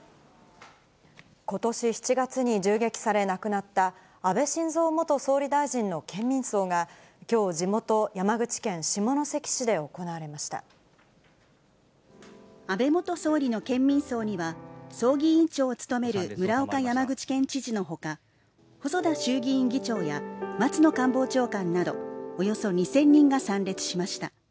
ことし７月に銃撃され亡くなった、安倍晋三元総理大臣の県民葬が、きょう、地元、山口県下関安倍元総理の県民葬には、葬儀委員長を務める村岡山口県知事のほか、細田衆議院議長や松野官房長官など、およそ２０００人が参列しました。